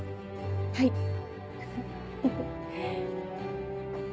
はい。